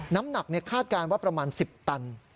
น้ำหนักคาดการณ์ว่าประมาณ๑๐ตัน